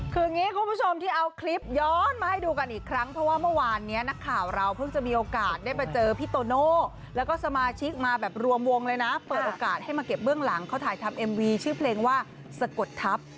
คืออย่างนี้คุณผู้ชมที่เอาคลิปย้อนมาให้ดูกันอีกครั้งเพราะว่าเมื่อวานนี้นักข่าวเราเพิ่งจะมีโอกาสได้ไปเจอพี่โตโน่แล้วก็สมาชิกมาแบบรวมวงเลยนะเปิดโอกาสให้มาเก็บเบื้องหลังเขาถ่ายทำเอ็มวีชื่อเพลงว่าสะกดทัพ